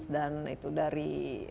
dan itu dari